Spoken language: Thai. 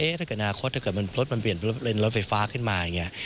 ถ้าเกิดอนาคตถ้าเกิดมันรถมันเปลี่ยนรถไฟฟ้าขึ้นมาอย่างนี้